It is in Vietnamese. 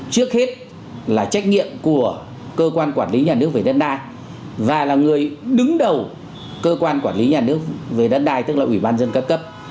trước hết là trách nhiệm của cơ quan quản lý nhà nước về đất đai và là người đứng đầu cơ quan quản lý nhà nước về đất đai tức là ủy ban dân ca cấp